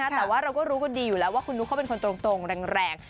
แต่ว่าเราก็รู้กันดีอยู่แล้วว่าคุณนุ๊กเขาเป็นคนตรงแรง